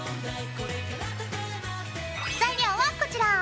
材料はこちら！